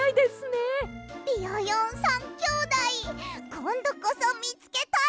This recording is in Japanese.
ビヨヨン３きょうだいこんどこそみつけたい！